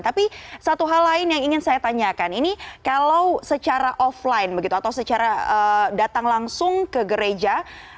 tapi satu hal lain yang ingin saya tanyakan ini kalau secara offline begitu atau secara datang langsung ke gereja